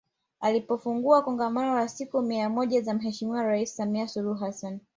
Alipofungua Kongamano la siku mia moja za Mheshimiwa Rais Samia Suluhu Hassan